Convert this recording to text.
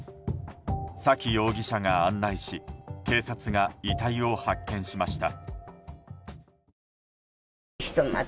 沙喜容疑者が案内し警察が遺体を発見しました。